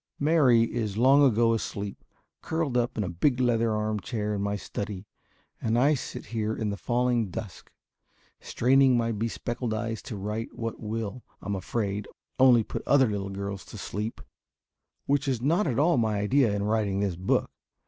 Mary is long ago asleep, curled up in a big leather arm chair in my study, and I sit here in the falling dusk, straining my bespectacled eyes to write what will, I am afraid, only put other little girls to sleep. Which is not at all my idea in writing this book.